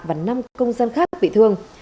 và năm công dân khác bị thương